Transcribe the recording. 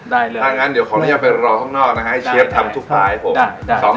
ได้เลยตั้งงั้นเดี๋ยวขอไปรอต้นอดนะฮะให้เชฟทำทุกปลาให้ผม